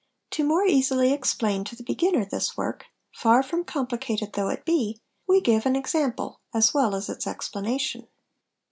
To more easily explain to the beginner this work, far from complica ted though it be, we give an example as well as its explanation.